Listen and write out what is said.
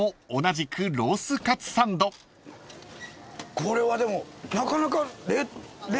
これはでもなかなか。